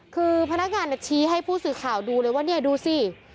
คือพนักงานชี้ให้ผู้สื่อข่าวดูเลยว่าเนี่ยดูสิ